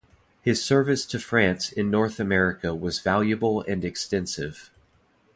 His service to France in North America was valuable and extensive.